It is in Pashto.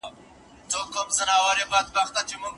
ولي د خاوند حقوق تر ميرمني لوړ دي؟